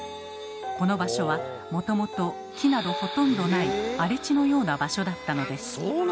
この場所はもともと木などほとんどない荒れ地のような場所だったのです。